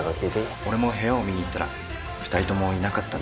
俺も部屋を見に行ったら二人ともいなかったんで。